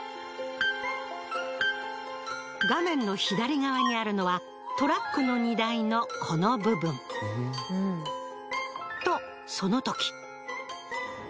画面の左側にあるのはトラックの荷台のこの部分。とその時。